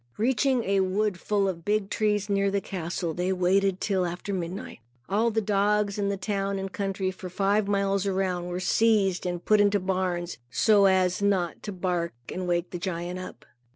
Reaching a wood full of big trees near the castle, they waited till after midnight. All the dogs in the town and country, for five miles around, were seized and put into barns, so as not to bark and wake the giant up.